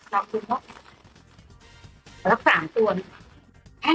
แล้วก็สามตัวนี่